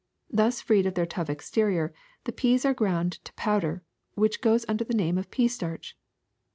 Thus freed of their tough exterior, the peas are ground to powder, which goes under the name of pea starch.